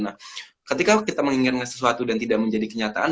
nah ketika kita menginginkan sesuatu dan tidak menjadi kenyataan